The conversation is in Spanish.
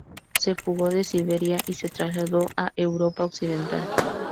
Se fugó de Siberia y se trasladó a Europa occidental.